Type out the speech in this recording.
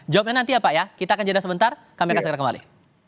jawabnya nanti ya pak ya kita akan jeda sebentar kami akan segera kembali